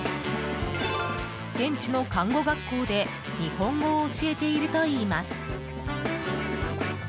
現地の看護学校で日本語を教えているといいます。